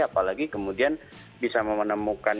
apalagi kemudian bisa menemukan